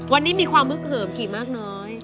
วันนี้มีความฮึกเหิมกี่มากน้อย